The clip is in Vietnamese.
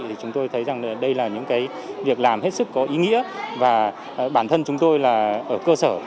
thì chúng tôi thấy rằng đây là những việc làm hết sức có ý nghĩa và bản thân chúng tôi là ở cơ sở